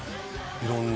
いろんな。